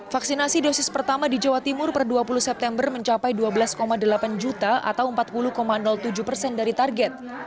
vaksinasi dosis pertama di jawa timur per dua puluh september mencapai dua belas delapan juta atau empat puluh tujuh persen dari target